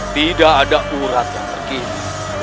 tidak ada urat yang terkini